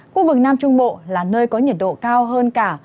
khu vực nam trung bộ là nơi có nhiệt độ cao hơn cả